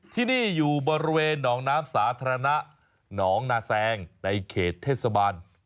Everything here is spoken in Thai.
ที่นี่อยู่บริเวณหนองน้ำสาธารณะหนองนาแซงในเขตเทศบาล